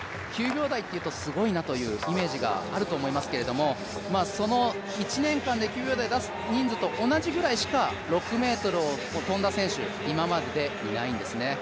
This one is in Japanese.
９秒台というと、すごいなというイメージがあると思いますが、その１年間で９秒台出すのと同じくらいの人数しか、６ｍを跳んだ選手、今まででいないんですね。